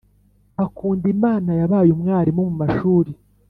hakundimana yabaye umwarimu mu mashuri